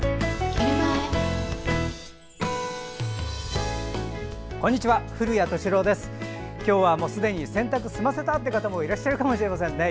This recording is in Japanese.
今日はすでに洗濯を済ませたという方もいるかもしれませんね。